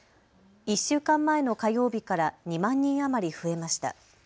１週間前の火曜日から２万人余り増えました。